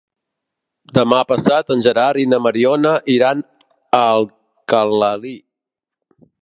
Demà passat en Gerard i na Mariona iran a Alcalalí.